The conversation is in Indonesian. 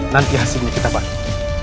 nanti hasilnya kita bantu